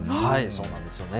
そうなんですよね。